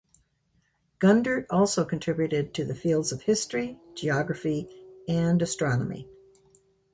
Gundert also contributed to the fields of history, geography and astronomy.